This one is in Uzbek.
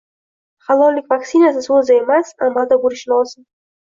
“Halollik vaksinasi” so‘zda emas, amalda bo‘lishi lozim...